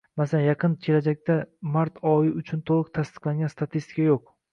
Masalan, yaqin kelajakda mart oyi uchun to'liq tasdiqlangan statistika yo'q